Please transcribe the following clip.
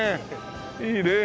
いいね。